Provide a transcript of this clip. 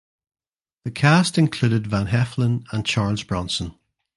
The cast included Van Heflin and Charles Bronson.